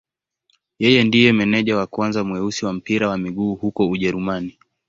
Yeye ndiye meneja wa kwanza mweusi wa mpira wa miguu huko Ujerumani.